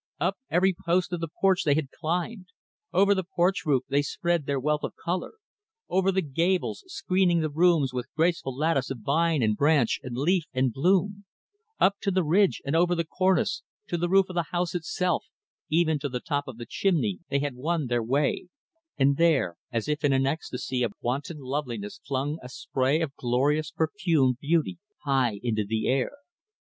Up every post of the porch they had climbed; over the porch roof, they spread their wealth of color; over the gables, screening the windows with graceful lattice of vine and branch and leaf and bloom; up to the ridge and over the cornice, to the roof of the house itself even to the top of the chimney they had won their way and there, as if in an ecstasy of wanton loveliness, flung, a spray of glorious, perfumed beauty high into the air.